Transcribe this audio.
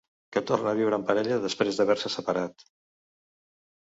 Que torna a viure en parella, després d'haver-se separat.